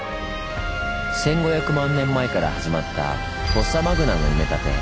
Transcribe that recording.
１，５００万年前から始まったフォッサマグナの埋め立て。